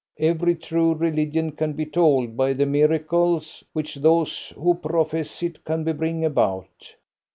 Every true religion can be told by the miracles which those who profess it can bring about.